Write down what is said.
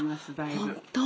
本当？